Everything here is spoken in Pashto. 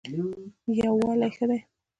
یووالی ښه دی.